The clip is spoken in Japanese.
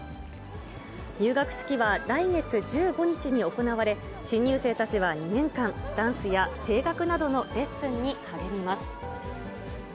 入学式は来月１５日に行われ、新入生たちは２年間、ダンスや声楽などのレッスンに励みます。